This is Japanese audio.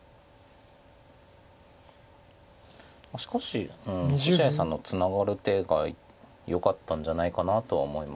しかし星合さんのツナがる手がよかったんじゃないかなとは思います。